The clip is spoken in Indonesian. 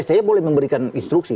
saya boleh memberikan instruksi